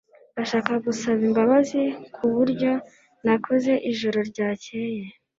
Ndashaka gusaba imbabazi kuburyo nakoze ijoro ryakeye